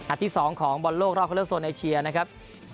อันที่สองของบอลโลกรอคเลอร์โซนไอเชียนะครับ